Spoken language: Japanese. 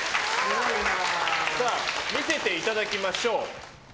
見せていただきましょう。